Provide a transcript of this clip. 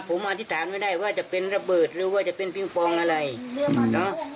ผมอธิษฐานไม่ได้ว่าจะเป็นระเบิดหรือว่าจะเป็นปิงปองอะไรประมาณเนอะ